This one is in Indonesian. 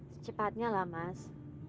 secepatnya lah mas